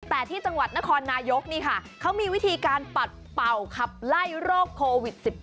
แต่ที่จังหวัดนครนายกนี่ค่ะเขามีวิธีการปัดเป่าขับไล่โรคโควิด๑๙